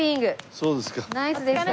そうですか。